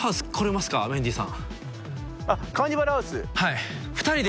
はい。